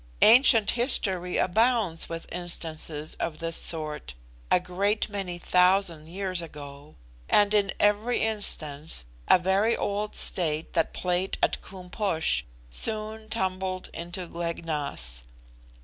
Ancient history abounds with instances of this sort a great many thousand years ago and in every instance a very old state that played at Koom Posh soon tumbled into Glek Nas.